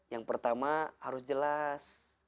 yang pertama harus jelas